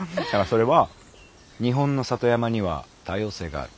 それは「日本の里山には多様性がある。